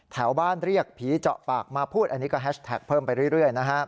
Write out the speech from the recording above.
แถวบ้านเรียกผีเจาะปากมาพูดอันนี้ก็แฮชแท็กเพิ่มไปเรื่อย